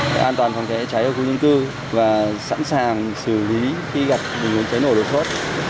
để an toàn phòng cháy ở khu dân tư và sẵn sàng xử lý khi gặp vụ cháy nổ đồ sốt